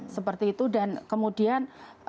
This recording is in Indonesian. seperti itu dan kemudian